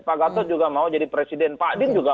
pak gatot juga mau jadi presiden pak din juga